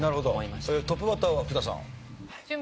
トップバッターは福田さん？